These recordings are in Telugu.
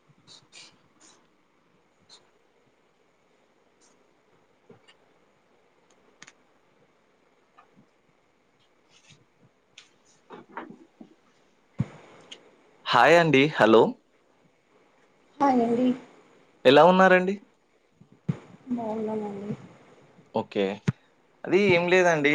ఆ హా హాయ్ అండి హలో హాయ్ అండి ఎలా ఉన్నారండి బాగున్నానండి ఓకే అది ఏం లేదండి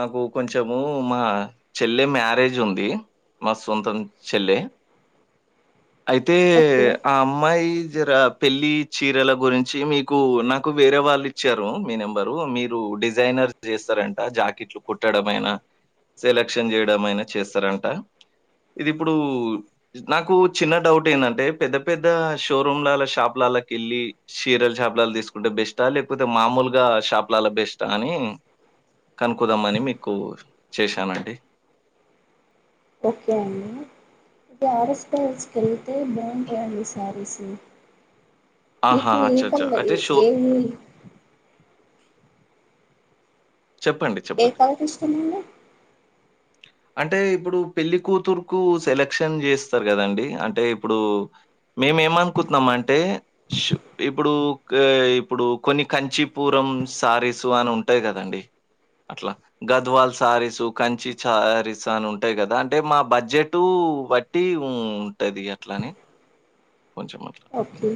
నాకు కొంచము మా చెల్లె మ్యారేజ్ ఉంది మా సొంతం చెల్లె అయితే ఓకే ఆ అమ్మాయి జర పెళ్లి చీరల గురించి మీకు నాకు వేరే వాళ్ళు ఇచ్చారు మీ నెంబర్ మీరు డిజైనర్ చేస్తారంట జాకెట్లు కుట్టడంమయినా సెలక్షన్ చేయడం అయినా చేస్తారంట ఇది ఇప్పుడు నాకు చిన్న డౌట్ ఏంటంటే పెద్ద పెద్ద షోరూమ్ షాప్ లా కేల్లి తీసుకుంటే చీరల షాపులలో తీసుకుంటే బెస్టా లేకపోతే మామూలుగా షాపులలో బెస్ట్ అని కనుకుదామ అని మీకు చేశానండి ఓకే అండి ఇది ఆర్ఎస్ బ్రదర్స్ కి వెళ్ళితే బాగుంటాయండి శారీస్ ఆహా! మీకు ఈ అచ్చచ్చ! అయితే కంగలి షో ఏమి చెప్పండి. ఏ కలర్ ఇష్టం అండి ఆ హా అంటే ఇప్పుడు పెళ్లి కూతురు కు సెలక్షన్ చేస్తారు కదండి అంటే ఇప్పుడు మ మేము ఏమనుకుటున్నాం అంటే ఇప్పుడు ఇప్పుడు కొన్ని కంచి పూరం సారీసు అని ఉంటాయి కదండి అట్లా గద్వాల్ సారీస్ కంచి సారీస్ అని ఉంటాయి కదా అంటే మా బడ్జెట్ బట్టి ఉంటది అట్లని కొంచెం అట్లా. ఓకే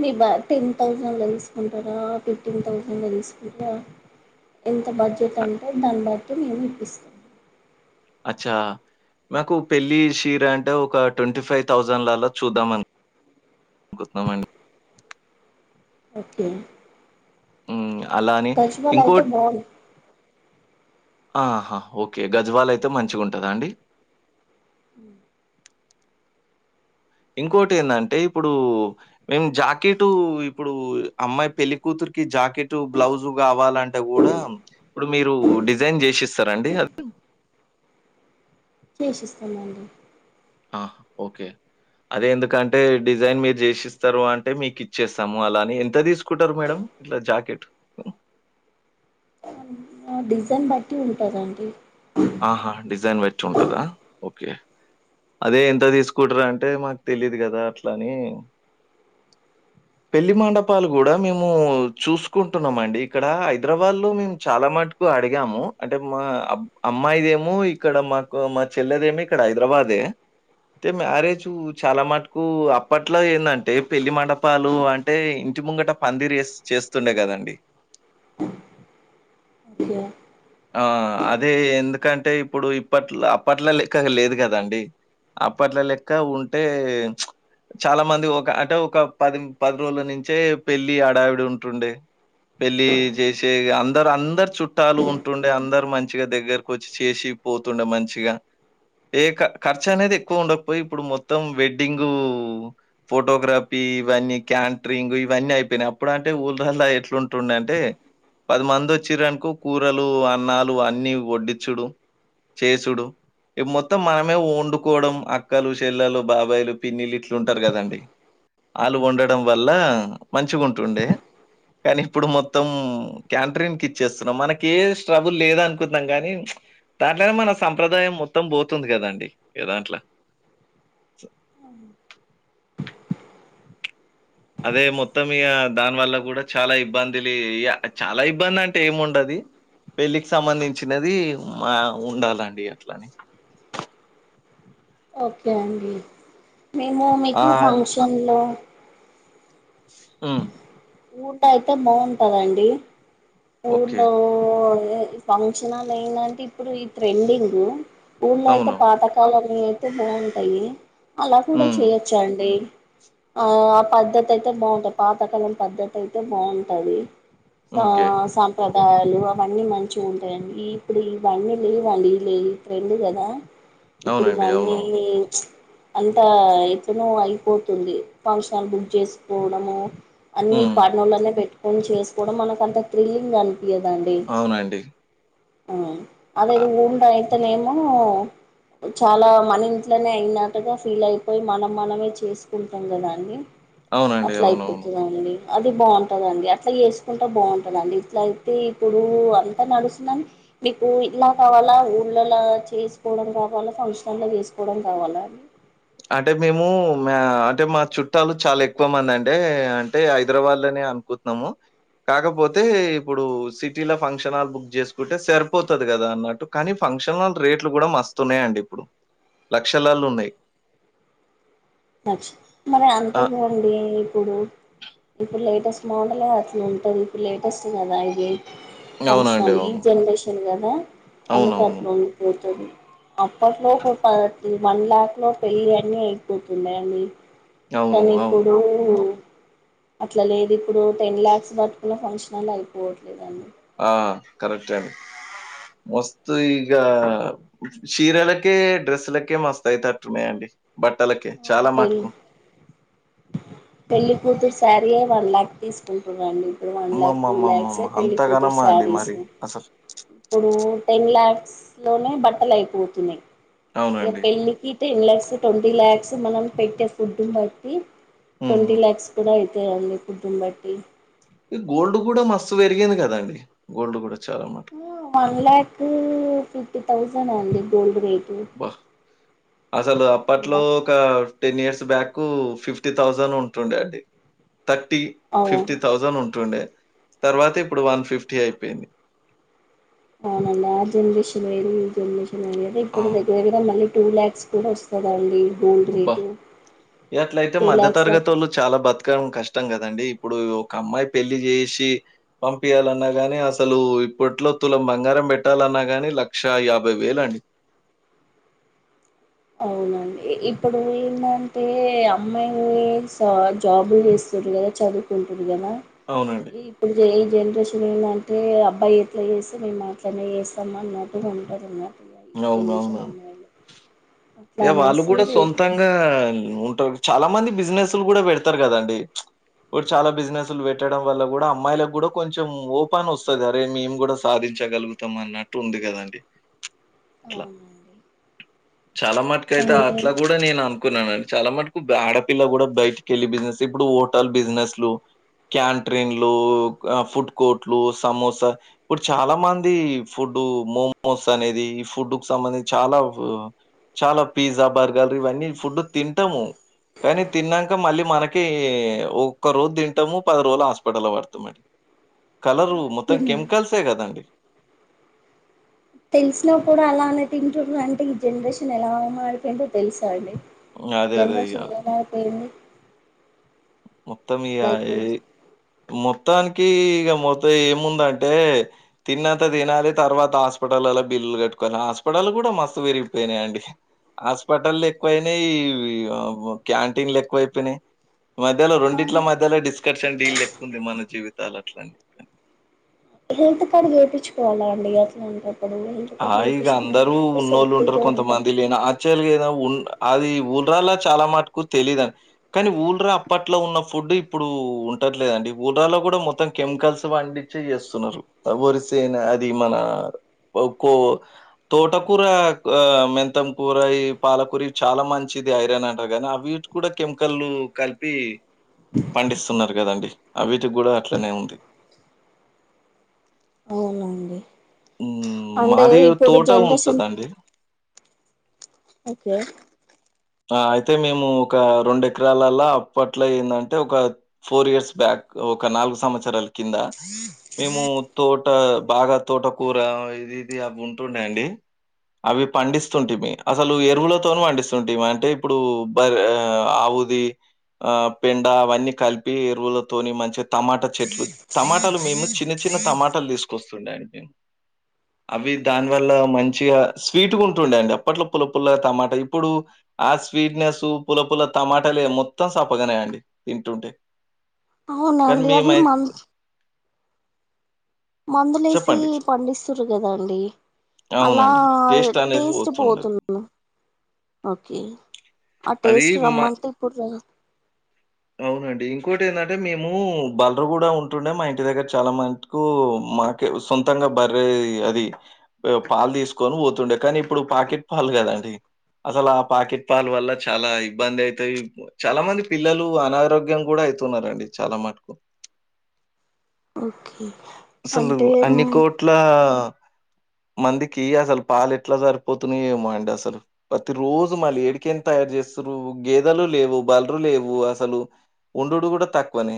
మీ బట్టి థౌసండ్ తీసుకుంటార ఫిఫ్టీన్ థౌసౌండ్ తీసుకుంటార కొంత బడ్జెట్ అ అంటే దాన్ని బట్టి మేము ఇప్పిస్తాము అచ్చా మాకు పెళ్ళి చీర అంటే ఒక ట్వంటీ ఫైవ్ థౌజండ్ లాలా చూద్దాంని గుర్తుండండి ఓకే అలాని గజ్వాల్ ఇంకో అయితే బాగుంది ఆహా ఓకే గజవాల అయితే మంచిగా ఉంటదా అండి ఇంకోటి ఏంటంటే ఇప్పుడు మేం జాకెట్ ఇప్పుడు అమ్మాయి పెళ్లి కూతురు జాకెట్ బ్లౌజు కావాలంటే కూడా ఇప్పుడు మీరు డిజైన్ చేసిస్తార అండి అ చేసిస్తామండి ఆహా ఓకే అదే ఎందుకంటే డిజైన్ మీరు చేసిస్తారు అంటే మీకు ఇచ్చేస్తాము అలాని ఎంత తీసుకుంటారు మేడం ఇట్ల జాకేట్ డిజైన్ బట్టి ఉంటదండి ఆహా డిజైన్ బట్టి ఉంటదా ఓకే అదే ఎంత తీసుకుంటరు అంటే మాకు తెలిదు కదా అట్లని పెళ్లి మండపాలు కూడా మేము చూసుకుంటున్నాం అండి ఇక్కడ హైదరాబాద్ లో మేము చాలా మటు అడిగాము అంటే మా అబ్ అమ్మాయిదేమో ఇక్కడ మాకు మా చెల్లెదేమి ఇక్కడ హైదరాబాదే మ్యారేజ్ చాలా మటుకు అప్పట్లో ఏందంటే పెళ్లి మండపాలు అంటే ఇంటి ముంగట పందిరే చేస్తుండే కదండి ఓకే ఆ అదే ఎందుకంటే ఇప్పుడు ఇప్పట్ల అప్పట్లా లేదు కదండి అప్పట్ల లెక్క ఉంటే చాలా మంది ఒక అంటే ఒక పది పది రోజుల నుంచే పెళ్లి ఆడావిడి ఉంటుండే పెళ్లి జేసే అందరు అందరు చుట్టాలు ఉం ఉంటుండే అందరు మంచిగా దగ్గరకు వచ్చి చేసి పోతుండే మంచిగా ఏ ఖర్చు అనేది ఎక్కువ ఉండకపోయి ఇప్పుడు మొత్తం వెడ్డింగ్ ఫోటోగ్రాఫీ ఇవన్నీ క్యాంట్రింగ్ ఇవన్నీ అయిపోనయి అప్పుడు అంటే ఊర్లల్ల ఎట్లుం టుండు అంటే పది మంది వచ్చిరనుకో కూరలు అన్నాలు అన్ని వడ్డించుడు చేసుడు మొత్తం మనమే వండుకోవడం అక్కలు చెల్లలు బాబాయిలు పిన్నిళ్లు ఇట్లుంటారు కదండి ఆలు వండడం వల్ల మంచిగుంటుండే కానీ ఇప్పుడు మొత్తం క్యాంట్రిన్ కి ఇచ్చేస్తున్నాం మనకి కే స్ట్రగుల్ లేద అనుకుంటునం కానీ దాంట్లనే మన సంప్రదాయం మొత్తం పోతుంది కదండి ఏదాంట్ల ఆ అదే మొత్తం ఇగ దాని వల్ల కూడా చాలా ఇబ్బందిలీ ఇయ చాలా ఇబ్బంది అంటే ఏముండది పెళ్ళికి సంబంధించినది మా ఉండాలండి అట్లని ఓకే అండి మేము మీకు ఆహ్, ఫంక్షన్ లో ఉ ఊట అయితే బాగుంటదండి ఓకే. ఊళ్లో ఫంక్షన్ హాల్ ఏందంటే ఇప్పుడు ఈ ట్రెండింగ్ ఊళ్లో అయితే అవును. పాతకాలం అ అయితే బాగుంటాయి అలా కూడా హ్మ్. చేయొచ్చా అండి ఆ ఆ పద్ధతి అయితే బాగుంటది పాతకాలం పద్ధతి అయితే బాగుంటది స ఓకే. సాంప్రదా కాయలు అవన్నీ మంచిగా ఉంటాయండి ఇ ఇప్పుడు ఇవన్నీ లేవండి లే ఫ్రెండ్ కదా ఇప్పుడు అవునండి. నైన్ అవును. ఏ అంత ఎట్లానో అయిపోతుంది ఫంక్షన్ బుక్ చేసుకోవడము ఆ పెట్టుకోని చేసుకోవడం మనకు అంత థ్రిల్లింగ్ అనిపియదండి అవునండి. అ అదేదో ఊండ అయితేనేమో చాలా మన ఇంట్లోనే అయినట్టుగా ఫీల్ అయిపోయి మనం మనమే చేసుకుంటాం కదా అన్ని అవునండి. అట్లా అవునవును. అయిపోతుందండి అది బాగుంటుందిండి అట్లా చేసుకుంటూ బాగుంటుందిండి ఇట్లయితే ఇప్పుడు అంతా నడుస్తుందని మీకు ఇలా కావాలా ఊళ్ళలో చేసుకోవడం కావాలా ఫంక్షన్ లో చేసుకోవడం కావాలా అండి అంటే మేము అంటే మా చుట్టాలు చాలా ఎక్కువ మంది అంటే అంటే హైదరాబాద్ లనే అనుకుతున్నాము కాకపోతే ఇప్పుడు సిటీలో ఫంక్షన్లు బుక్ చేసుకుంటే సరిపోతది కదా అన్నట్టు కానీ ఫంక్షన్ రేట్లు కూడా మస్తున్నాయిండి ఇప్పుడు లక్షలాళున్నాయి అచ్చ మరి అంతే ఆ! పోండి ఇప్పుడు ఇప్పుడు లేటెస్ట్ మోడల్ అట్ల ఉంటది ఇప్పుడు లేటెస్ట్ కదా ఫంక్షన్ అవునండి. హాల్ ఈ అవును. జనరేషన్ కదా అందుకే అవునవును. అట్ల ఉండిపో అప్పట్లో ఒక ప వన్ లాక్ లో పెళ్లి అన్ని అయిపోతున్నయండి అవును. కానీ అవును. ఇప్పుడు అట్లా లేదు ఇప్పుడు టెన్ ల్యా క్స్ పట్టుకున్న ఫంక్షన్ల్ అయిపోవట్లేదు ఆ కరెక్ట్ అండి మస్తు ఇగ చీరాలకే డ్రెస్సులకే మస్తు అయ్యేతట్టు ఉన్నాయండి ఆ పెలి పెళ్లి కూతురు శారీయే వన్ ల్యాక్ తీసుకుంటున్నారండి ఇప్పుడు వన్ లక్ టూ లాక్స్ అమ్మమ్మమ్మమ్మమ్మ! పెళ్లికూతురు అంతగనమా అండి సారీస్ మరి అసలు? ఇప్పుడు టెన్ ల్యాక్స్ లోనే బట్టలు అయిపోతున్నాయి ఇక అవునండి. పెళ్ళికి టెన్ లక్స్ ట్వంటీ లాక్స్ మనం పెట్టే ఫుడ్ బట్టి హుహు. ట్వంటీ ల్యాక్స్ కూడా అయితాయండి ఫుడ్ని బట్టి ఈ గోల్డ్ కూడా మస్తు పెరిగింది కదా అండి గోల్డ్ కూడా వన్ లక్ ఫిఫ్టీ తౌసండ్ అండి గోల్డ్ రేట్ అబ్బ అసలు వన్ అప్పట్లో ల్యాక్ ఒక ten years back fifty thousand ఉంటుండే అండి థర్టీ అవును ఫిఫ్టీ థౌజండ్ ఉంటుండే తర్వాత ఇప్పుడు వన్ ఫిఫ్టీ అయిపోయింది అవునండి ఆ జనరేషన్ వేరు ఈ జనరేషన్ వేరు అదే ఆ! ఇప్పుడు దగ్గర దగ్గర మళ్ళీ టూ ల్యాక్స్ కూడా వస్తుందండి అబ్బా అట్లయితే టూ మధ్య ల్యాక్స్ దాకా తరగతుళ్ళు వస్- చాలా బతు డం కష్టం కదండి ఇప్పుడు ఒక అమ్మాయి పెళ్లి చేసి పంపించాలన్నాగాని అసలు ఇప్పట్లో తుల బంగారం పెట్టాలన్నా గాని లక్షా యాభై వేల అండి అవునండి ఇప్పుడు ఏమంటే అమ్మాయిలు జాబ్ చేసి కదా చదువుకుంటుడు కదా అవునండి. ఇప్పుడు ఈ జన రేషన్ ఏందంటే అబ్బాయి ఎట్లా చేస్తే మేము అట్లనే చేస్తాము అన్నట్టు ఉంటారు ఇగ ఈ జనరేషన్ అమ్మాయిలు అట్లా ఇగ వాళ్ళు అనేసి కూడా రేట్లు సొంతంగా ఉంటారు చాలా మంది బిజినెస్లు కూడా పెడతారు కదండి ఇప్పుడు చాలా బిజినెస్లు పెట్టడం వల్ల కూడా అమ్మాయిలకు కూడా కొంచెం హోప్ అని వస్తది అరే మేము కూడా సాధించ ఉంచగలుగుతాం అన్నట్టు ఉంది గదండి అవునండి చాలా మటుకు అయితే కానీ అట్లా గూడా నేను అను కున్నాని చాలా మటుకు ఆడపిల్ల గూడా బయటికి వెళ్ళి బిజినెస్ ఇప్పుడు హోటల్ బిజినెస్లు క్యాంట్రిన్లు ఫుడ్ కోర్ట్లు సమోసా ఇప్పుడు చాలా మంది ఫుడ్ ఇప్పుడు మోమోస్ అనేది ఫుడ్ కు సంబంధించి చాలా చాలా పిజ్జా బర్గర్ ఇవన్నీ ఫుడ్ తింటము కానీ తిన్నాక మళ్ళీ మనకి ఒక్క రోజు తింటము పది రోజులు హాస్పిటల్లో పడతామండి కలరు మా మొత్తం పిల్ల- కెమికల్సే గదండి తెలిసినా కూడా అలానే తింటురు అంటే ఈ జనరేషన్ ఎలా మారిపోయెందో తెలుసా అండి అదే. అదే. ఇగ జనరేషన్ ఏలా మారిపోయింది మొత్తమ్ అట్లా ఇగా ఏఐ అయిపోవచ్చు మొత్తానికి ఇగా మొత్తం ఏముందంటే తిన్నంత తినాలి తర్వాత హాస్పిటల్ బిల్లు కట్టుకోవాలి హాస్పిటల్ గూడా మస్తు పెరిగిపోయినాయియండి హాస్పిటల్ ఎక్కువయినయి ఇగా క్యాంటీన్లు ఎక్కువయిపోయినాయి మధ్యలో రెండిట్ల మధ్యలో డిస్కషన్ డీల్ లేక్కుంది మన జీవితాలు అట్లాంటి హెల్త్ కార్డ్ చేపించుకోవాలా అండి అట్లాంటప్పుడు హెల్త్ ఆ కార్డ్ ఇగా చేపించుకున్నాం అందరు అనుకో ఉన్నోళ్ళు ఉంటరు సేఫ్టీగా ఉంటుంది కొంతమంది లే ఆచ్చేలుగా ఏదో అది ఊర్లలా చాలా మటుకు తెలీదని కానీ ఊర్ల అప్పట్లో ఉన్న ఫుడ్ ఇప్పుడు ఉట్లేదండి ఊర్ల లో గూడా మొత్తం కెమికల్స్ పండించి చేస్తున్నారు వరిస అది మన కో తోటకూర అ మెంతం కూర ఈ పాలకూర చాలా మంచిది ఐరాన్ అంటర్ గాని అవిటి గూడా కెమికల్ కలిపి పండిస్తున్నారు కదండి అవిటి గూడా అట్లనే ఉంది అవునండి హ్మ్. అంటే మాది ఇప్పుడు తోట జనరేషన్ ఉంటదండి. ఓకే ఆ అయితే మేము ఒక రెండు ఎకరాలలా అప్పట్లో ఏందంటే ఒక ఫోర్ ఇయర్స్ బ్యాక్ ఒక నాలుగు సంవత్సరాల కింద మేము తోట బాగా తోటకూర ఇది ఇది అవి ఉంటుండే అండి అవి పండిస్తుంటిమి అసలు ఎరువులతోని పండిస్తుంటిమి అంటే ఇప్పుడు బర ఆవుది ఆ పెండ అవన్నీ కలిపి ఎరువులతోని మంచిగా టమాటా చెట్లు టమాటాలు మేము చిన్న చిన్న చిన్న టమాటాలు తీసుకొస్తుండేయండి అవి దానివల్ల మంచిగా స్వీట్గా ఉంటుండే అండి అప్పట్లో పుల్ల పుల్ల టమాటా ఇప్పుడు ఆ స్వీట్నెస్ పుల్ల పుల్ల టమాటాలు మొత్తం సప్ప గానే అండి తింటుంటే అవున కానీ అండి అవి మేమై మంచి మందులేసి చెప్పండి. పండిస్తురు గదా అండి అలా అవునండి. అనేది టేస్ట్ పోతుండదు. పోతున్నాది ఆ అది టేస్ట్ మ రమ్మంటే ఇప్పుడు రా ఏంటంటే మేము బర్లు గూడా ఉంటుండే మా ఇంటి దగ్గర చాలా మటుకు మాకె సొంతంగా అరే అది పాలు తీసుకొని పోతుండే కానీ ఇప్పుడు పాకెట్ పాలు గదండి అసలు అ పాకెట్ పాలు వల్ల చాలా ఇబ్బంది అయితయి చాలా మంది పిల్లలు అనారోగ్యం గూడా అయితున్నారండి చాలా మటుకు ఓకే అసలు అంటే అన్ని కోట్ల అ మందికి అసలు పాలు ఎట్లా సరిపోతున్నాయ ఏమో అండి అసలు ప్రతి రోజు మళ్ళీ ఏడికెళ్ళి తయారు చేస్తారు గేదలు లేవు బల్ర లేవు అసలు ఉండుడు కూడా తక్కువనే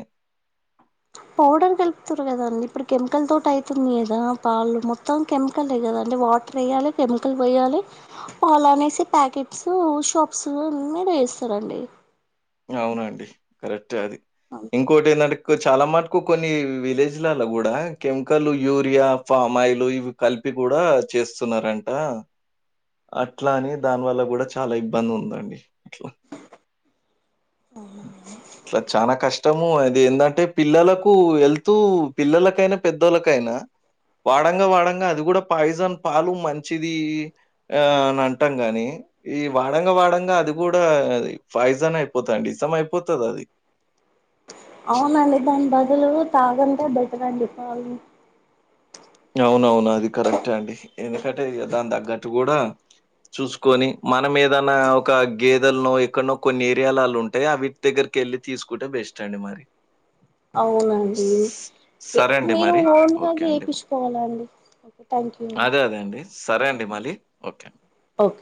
పౌడర్ కలుపుతారు కదండి ఇప్పుడు కెమికల్ తో అవుతుంది కదా పాళ్లు మొత్తం కెమికల్ కదాండి వాటర్ వేయాలి కెమికల్ వయాలి పాలా అనేసి ప్యాకెట్స్ షాప్స్ చేస్తారండి అవునండి కరెక్ట్ అది ఇంకోటి ఏంటంటే చాలా మటుకు కొన్ని విలేజ్లలో కూడా కెమికల్ యూరియా ఫామాయిలు ఇవి కలిపి కూడా చేస్తున్నారంట అట్లా అని దాని వల్ల కూడా చాలా ఇబ్బంది ఉందండి అట్లా ఆఓహా అట్లా చనా కష్టము అది ఏంటంటే పిల్లలకు వెళ్తూ పిల్లలకైనా పెద్దోళ్ళకి కైనా వాడంగా వాడంగా అది కూడా పాయిజన్ పాలు మంచిది ఆ అనంటాం గాని ఈ వాడంగా వాడంగా అది కూడా పాయిజనే పోత అంటే ఇసం అయిపోతదాది అవునండి దాని బదులు తాగందే బెటర్ అండి తాగు అవునవును అది కరెక్టే అండి ఎందుకంటే దాని తగ్గట్టు కూడా చూసుకొని మనం ఏదన్నా ఒక గేదెల్లో ఎక్కడనో కొన్ని ఏరియాలలు ఉంటాయి అవి దగ్గర్ కెళ్లి తీసుకుంటే బెస్ట్ అండి మరి అవునండి స- మీ సరే అండి మీరు మరి. ఓన్ గా ఓకే అండి. చేపించుకోవాల్ హాలో అండి ఒకే థాంక్యూ అండి అదే అదే సరే అండి మలి ఒకే ఒక్